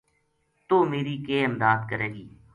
توہ میری کے امداد کرے گی